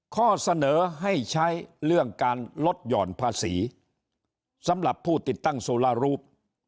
ข้อเสนอให้ใช้เรื่องการลดหย่อนภาษีสำหรับผู้ติดตั้งสุรารูป